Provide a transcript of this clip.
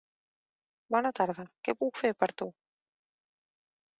Bona tarda, què puc fer per tu?